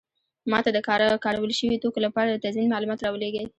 ما ته د کارول شوي توکو لپاره د تضمین معلومات راولیږئ.